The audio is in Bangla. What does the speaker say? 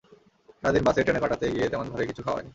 সারা দিন বাসে, ট্রেনে কাটাতে গিয়ে তেমন ভারী কিছু খাওয়া হয়নি।